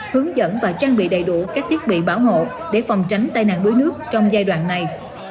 hướng dẫn và trang bị đầy đủ các thiết bị bảo hộ để phòng tránh tai nạn đuối nước trong giai đoạn này